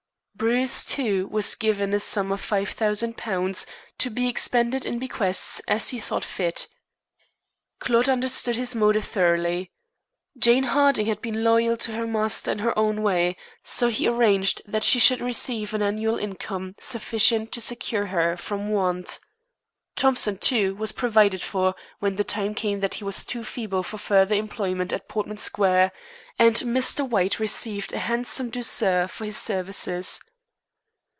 Bruce, too, was given a sum of £5,000, "to be expended in bequests as he thought fit." Claude understood his motive thoroughly. Jane Harding had been loyal to her master in her way, so he arranged that she should receive an annual income sufficient to secure her from want. Thompson, too, was provided for when the time came that he was too feeble for further employment at Portman Square, and Mr. White received a handsome douceur for his services.